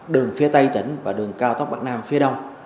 đường phía tây tỉnh và đường cao tốc bắc nam phía đông